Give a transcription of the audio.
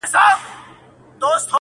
یو له بله بېلېدل سوه د دوستانو-